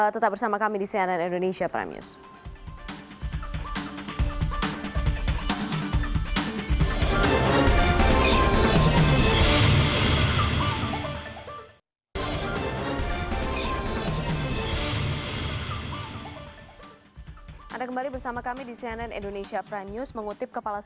tetap bersama kami di cnn indonesia prime news